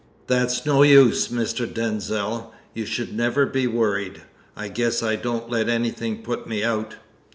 "That's no use, Mr. Denzil. You should never be worried. I guess I don't let anything put me out."